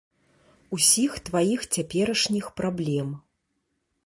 Усіх тваіх цяперашніх праблем.